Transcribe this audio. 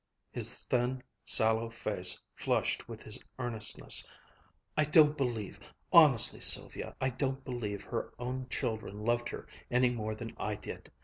His thin, sallow face flushed with his earnestness. "I don't believe honestly, Sylvia, I don't believe her own children loved her any more than I did.